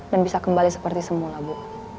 dan bisa kembali seperti semula bu